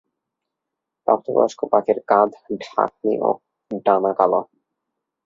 প্রাপ্তবয়স্ক পাখির কাঁধ-ঢাকনি ও ডানা কালো।